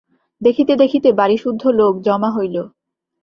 দেখিতে দেখিতে বাড়িসুদ্ধ লোক জমা হইল।